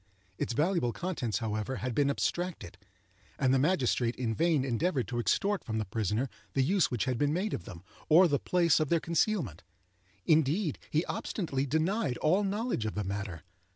Its valuable contents, however, had been abstracted, and the magistrate in vain endeavored to extort from the prisoner the use which had been made of them, or the place of their concealment. Indeed, he obstinately denied all knowledge of the matter.